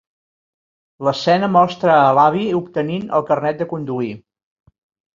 L'escena mostra a l'avi obtenint el carnet de conduir.